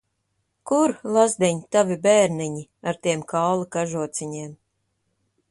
Kur, lazdiņ, tavi bērniņi, ar tiem kaula kažociņiem?